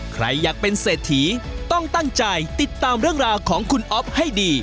ใครอยากเป็นเศรษฐีต้องตั้งใจติดตามเรื่องราวของคุณอ๊อฟให้ดี